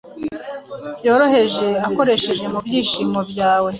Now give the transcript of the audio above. Byoroheje ukoresha mu byishimo byawe,